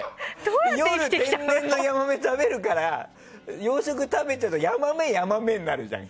夜、天然のヤマメを食べるから養殖も食べるとヤマメ、ヤマメになるじゃん。